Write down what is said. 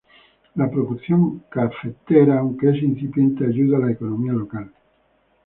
La producción cafetera, aunque es incipiente, ayuda a la economía local.